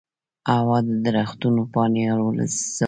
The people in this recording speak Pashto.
هوا د درختو پاڼې الوزولې.